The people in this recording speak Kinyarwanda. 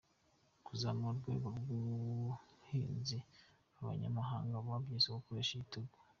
Kuzamura urwego rw’ubuhinzi abanyamahanga babyise gukoresha igitugu.